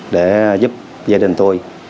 để giúp gia đình tôi